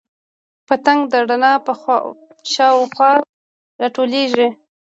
پتنګ د رڼا په شاوخوا راټولیږي